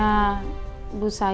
jika kita tidak berhubung dengan bel